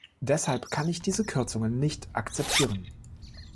Deshalb kann ich diese Kürzungen nicht akzeptieren.